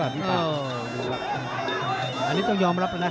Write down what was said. อันนี้ต้องยอมรับแล้วนะ